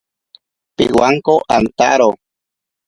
Pibwanko antaro.